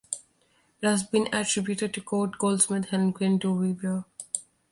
It has been attributed to court goldsmith Hennequin du Vivier.